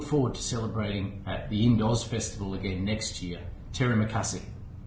perayaan peringatan hood ke tujuh puluh lima ri di kota brisbane terasa berbeda